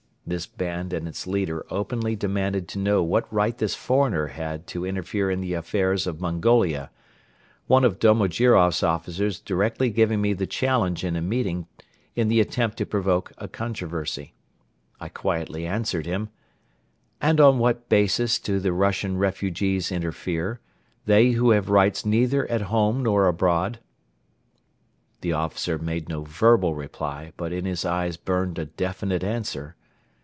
This band and its leader openly demanded to know what right this foreigner had to interfere in the affairs of Mongolia, one of Domojiroff's officers directly giving me the challenge in a meeting in the attempt to provoke a controversy. I quietly answered him: "And on what basis do the Russian refugees interfere, they who have rights neither at home nor abroad?" The officer made no verbal reply but in his eyes burned a definite answer.